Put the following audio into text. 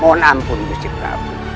mohon ampun gusti prapu